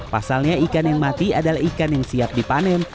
pasalnya ikan yang mati adalah ikan yang siap dipanen